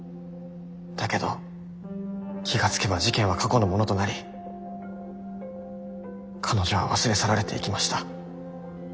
だけど気が付けば事件は過去のものとなり彼女は忘れ去られていきました。